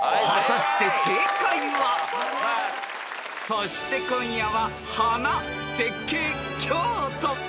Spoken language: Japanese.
［そして今夜は］